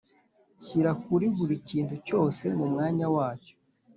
shyira kuri buri kintu cyose mu mwanya wacyo